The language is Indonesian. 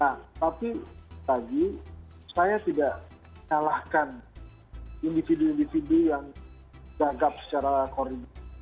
nah tapi lagi saya tidak salahkan individu individu yang dianggap secara korigir